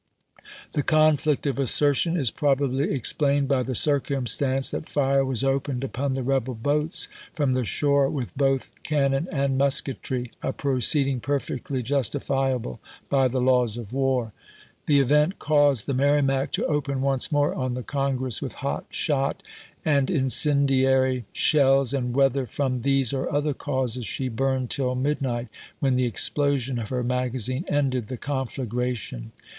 The conflict of assertion is probably explained by the circumstance that fire was opened upon the rebel boats from the shore with both can non and musketry, a proceeding perfectly justifi able by the laws of war. The event caused the Merrimac to open once more on the Congress with hot shot and incendiary shells, and whether from these or other caases she burned till midnight, when the explosion of her magazine ended the conflagration.